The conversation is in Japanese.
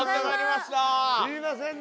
すいませんね。